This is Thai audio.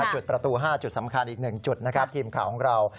จุดประตู๕จุดสำคัญอีก๑จุดนะครับทีมข่าวของเรา